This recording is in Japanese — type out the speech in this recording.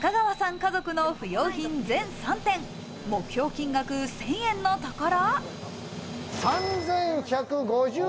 家族の不用品、全３点、目標金額１０００円のところ。